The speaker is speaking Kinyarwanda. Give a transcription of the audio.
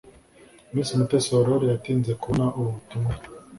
Miss Mutesi Aurore yatinze kubona ubu butumwa